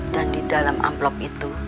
dan di dalam amplop itu